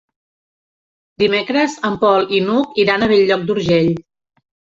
Dimecres en Pol i n'Hug iran a Bell-lloc d'Urgell.